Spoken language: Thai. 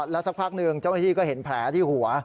แล้วสักพักหนึ่งเจ้าหน้าที่ก็เห็นแผลที่หัว